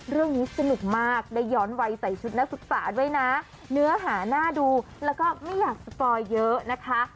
เรื่องนี้สนุกมากได้ย้อนวัยใส่ชุดนักศึกษาด้วยนะเนื้อหาน่าดูแล้วก็ไม่อยากสปอยเยอะนะคะ